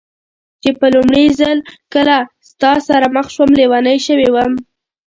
چې په لومړي ځل کله ستا سره مخ شوم، لېونۍ شوې وم.